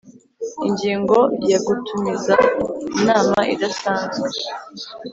Ingingo ya Gutumiza inama idasanzwe